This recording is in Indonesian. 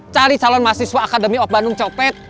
cari calon mahasiswa akademi of bandung copet